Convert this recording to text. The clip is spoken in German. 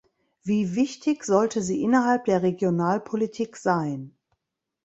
Wie wichtig sollte sie innerhalb der Regionalpolitik sein?